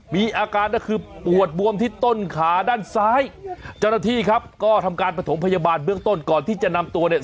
มีอาการก็คือปวดบวมที่ต้นขาด้านซ้ายเจ้าหน้าที่ครับก็ทำการประถมพยาบาลเบื้องต้นก่อนที่จะนำตัวเนี่ย